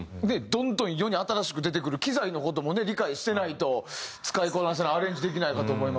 どんどん世に新しく出てくる機材の事もね理解してないと使いこなせないアレンジできないかと思いますが。